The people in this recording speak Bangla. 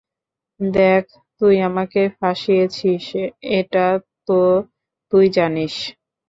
দেখ, তুই আমাকে ফাঁসিয়েছিস, এটা তো তুই জানিস।